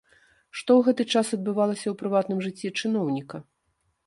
Што ў гэты час адбывалася ў прыватным жыцці чыноўніка?